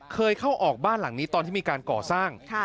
เคยเข้าออกบ้านหลังนี้ตอนที่มีการก่อสร้าง